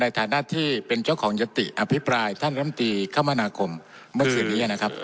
ฐานะที่เป็นเจ้าของยติอภิปรายท่านลำตีคมนาคมเมื่อคืนนี้นะครับ